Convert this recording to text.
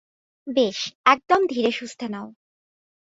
বেশ, একদম ধীরে-সুস্থে নাও।